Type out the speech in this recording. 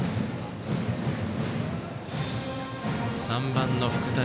３番の福谷